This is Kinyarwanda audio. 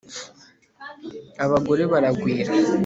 abagore baragwira